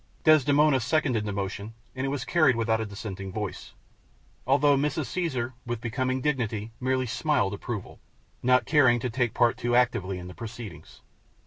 Desdemona seconded the motion, and it was carried without a dissenting voice, although Mrs. Caesar, with becoming dignity, merely smiled approval, not caring to take part too actively in the proceedings.